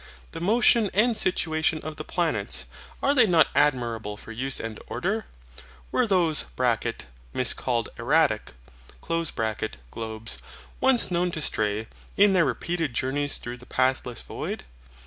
The motion and situation of the planets, are they not admirable for use and order? Were those (miscalled ERRATIC) globes once known to stray, in their repeated journeys through the pathless void?